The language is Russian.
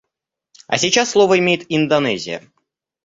А сейчас слово имеет Индонезия.